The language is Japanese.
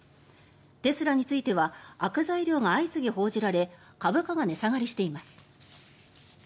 テスラについては悪材料が相次ぎ報じられ株価が値下がりしています。